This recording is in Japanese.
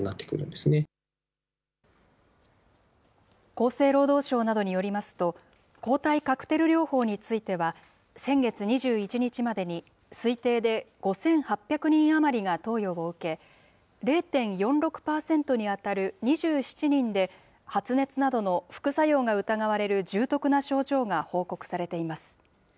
厚生労働省などによりますと、抗体カクテル療法については、先月２１日までに、推定で５８００人余りが投与を受け、０．４６％に当たる２７人で、発熱などの副作用が疑われる重篤な症状が報告されています。